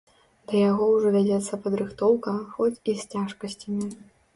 Да яго ўжо вядзецца падрыхтоўка, хоць і з цяжкасцямі.